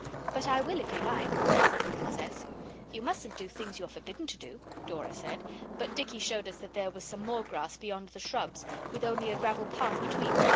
'But I will if you like,' said the Princess. 'You mustn't do things you are forbidden to do,' Dora said; but Dicky showed us that there was some more grass beyond the shrubs with only a gravel path between.